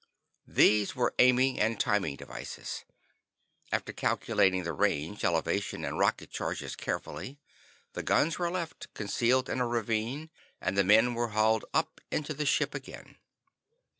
These were aiming and timing devices. After calculating the range, elevation and rocket charges carefully, the guns were left, concealed in a ravine, and the men were hauled up into the ship again.